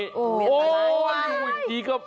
โอ้ยอีกดีก็